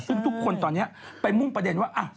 ซึ่งทุกคนตอนนี้ไปมุ่งประเด็นว่า